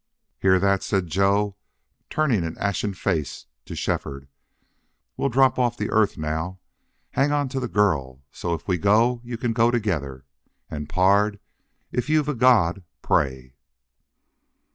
"Hear that!" said Joe, turning an ashen face to Shefford. "We'll drop off the earth now. Hang on to the girl, so if we go you can go together.... And, pard, if you've a God pray!"